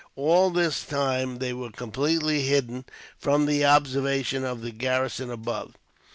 All this time, they were completely hidden from the observation of the garrison, above.